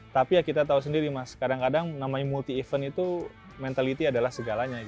tapi kita tahu sendiri mas kadang kadang multi event itu mentalitas adalah segalanya